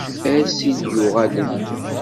Ass i d-yuɣalen.